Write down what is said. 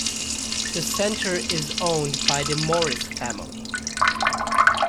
The centre is owned by the Morris family.